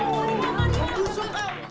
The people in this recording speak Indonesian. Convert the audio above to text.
menuju sel di belakang gedung